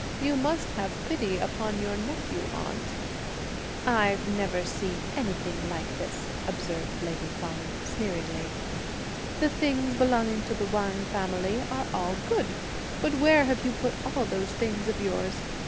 You must have pity upon your nephew, aunt." "I've never seen anything like this," observed lady Feng sneeringly; "the things belonging to the Wang family are all good, but where have you put all those things of yours?